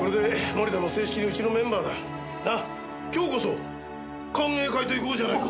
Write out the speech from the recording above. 今日こそ歓迎会といこうじゃないか！